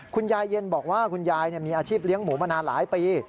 คุณยายเย็นบอกว่าคุณยายมีอาชีพเลี้ยงหมูมานานหลายปี